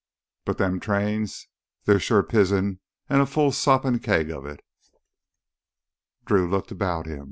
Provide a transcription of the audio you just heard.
But them trains, they's pure pizen an' a full soppin' keg o' it!" Drew looked about him.